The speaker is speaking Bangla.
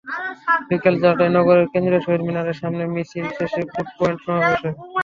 বিকেল চারটায় নগরের কেন্দ্রীয় শহীদ মিনারের সামনে মিছিল শেষে কোর্ট পয়েন্টে সমাবেশ হয়।